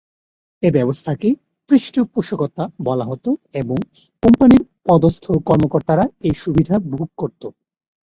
এ ব্যবস্থাকে ‘পৃষ্ঠপোষকতা’ বলা হতো এবং কোম্পানির পদস্থ কর্মকর্তারা এ সুবিধা ভোগ করত।